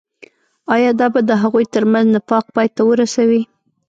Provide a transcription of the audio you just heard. آيا دا به د هغوي تر منځ نفاق پاي ته ورسوي.